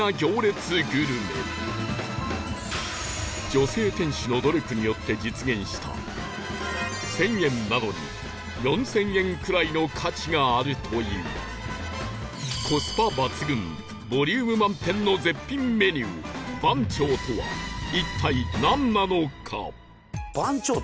女性店主の努力によって実現した１０００円なのに４０００円くらいの価値があるというコスパ抜群ボリューム満点の絶品メニュー番長とは一体なんなのか？